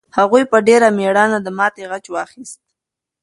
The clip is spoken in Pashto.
هغوی په ډېر مېړانه د ماتې غچ واخیست.